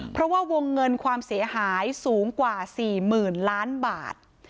เพราะว่าวงเงินความเสียหายสูงกว่า๔๐๐๐ล้านบาท